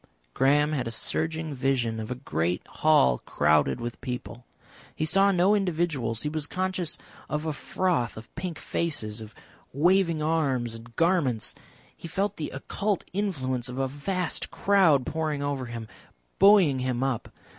Graham had a surging vision of a great hall crowded with people. He saw no individuals, he was conscious of a froth of pink faces, of waving arms and garments, he felt the occult influence of a vast crowd pouring over him, buoying him up.